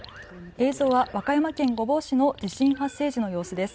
映像は和歌山県御坊市の地震発生時の様子です。